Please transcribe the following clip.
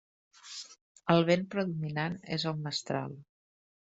El vent predominant és el mestral.